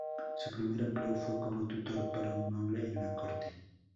Su primer empleo fue como tutor para un noble en la corte.